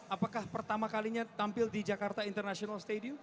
apakah pertama kalinya tampil di jakarta international stadium